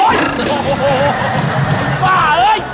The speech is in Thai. เกิดป้าเลย